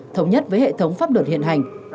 thống nhất với hệ thống pháp luật hiện hành